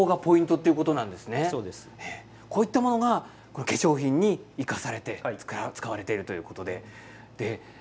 こういったものが化粧品に生かされて使われているということですね。